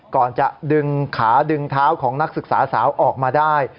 ก่อนจะดึงขาดึงเท้าของนักศึกษาสาวออกมาได้